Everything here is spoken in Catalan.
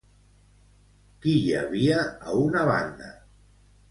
Què hi havia a una banda?